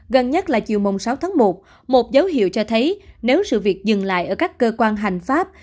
gần nhất là chiều mông sáu tháng một một dấu hiệu cho thấy nếu sự việc dừng lại ở các cơ quan hành pháp